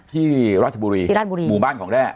ที่ราชบุรีหมู่บ้านของแด้